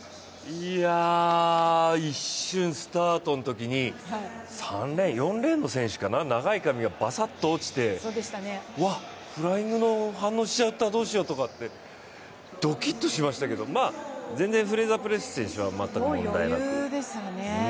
一瞬スタートのときに、４レーンの選手かな、長い髪がバサッと落ちて、フライングの反応しちゃったらどうしようってドキッとしましたけど、全然フレイザー選手は問題なく。